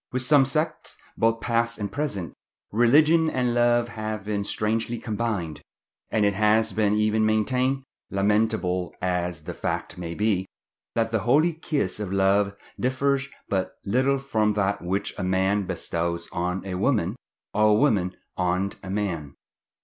With some sects, both past and present, religion and love have been strangely combined; and it has even been maintained, lamentable as the fact may be, that the holy kiss of love differs but little from that which a man bestows on a woman, or a woman on a man.